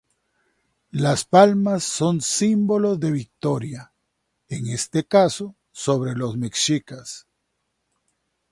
Las palmas son símbolo de victoria, en este caso sobre los mexicas.